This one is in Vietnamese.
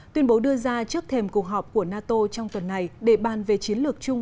tuyên bố đưa ra trước thềm cuộc họp của nato trong tuần này để bàn về chiến lược chung